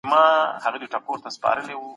دا برابري پيسې دي.